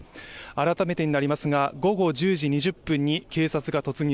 改めてになりますが、午後１０時２０分に警察が突入。